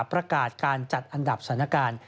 ประกาศการจัดอันดับสถานการณ์